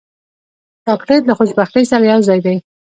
چاکلېټ له خوشبختۍ سره یوځای دی.